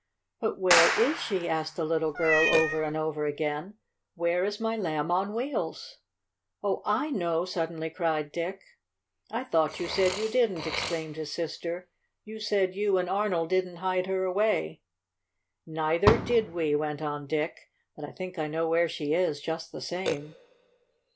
"But where is she?" asked the little girl over and over again. "Where is my Lamb on Wheels?" "Oh, I know!" suddenly cried Dick. "I thought you said you didn't!" exclaimed his sister. "You said you and Arnold didn't hide her away." "Neither did we," went on Dick. "But I think I know where she is, just the same."